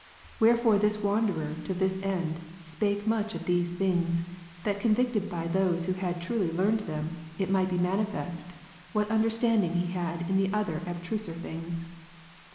Wherefore this wanderer to this end spake much of these things, that convicted by those who had truly learned them, it might be manifest what understanding he had in the other abstruser things.